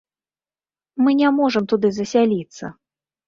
Мы не можам туды засяліцца.